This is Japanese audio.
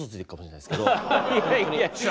いやいやいや。